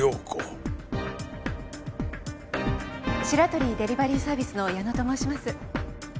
シラトリ・デリバリーサービスの矢野と申します。